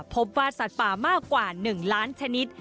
พบว่าสัตว์ป่ามากกว่า๑ล้านชนิด